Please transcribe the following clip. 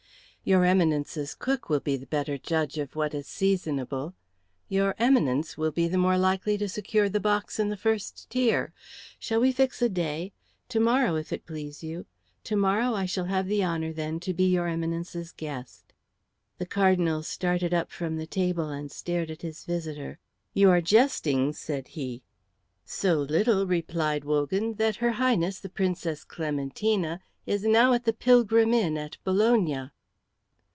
"Your Eminence's cook will be the better judge of what is seasonable. Your Eminence will be the more likely to secure the box in the first tier. Shall we fix a day? To morrow, if it please you. To morrow I shall have the honour, then, to be your Eminence's guest." The Cardinal started up from the table and stared at his visitor. "You are jesting," said he. "So little," replied Wogan, "that her Highness, the Princess Clementina, is now at the Pilgrim Inn at Bologna."